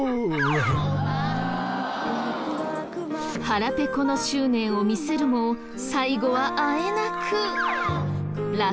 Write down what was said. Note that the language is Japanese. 腹ペコの執念を見せるも最後はあえなく落下。